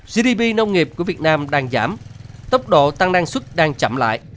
gdp nông nghiệp của việt nam đang giảm tốc độ tăng năng suất đang chậm lại